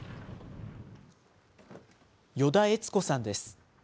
依田悦子さんです。